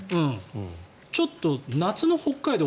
ちょっと夏の北海道